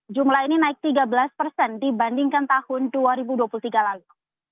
jumlah ini naik tiga belas persen dibandingkan tahun dua ribu dua puluh tiga lalu